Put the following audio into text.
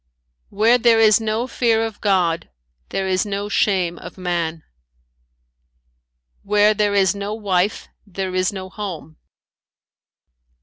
"Where there is no fear of God there is no shame of man. "Where there is no wife there is no home.